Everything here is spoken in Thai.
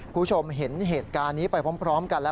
คุณผู้ชมเห็นเหตุการณ์นี้ไปพร้อมกันแล้ว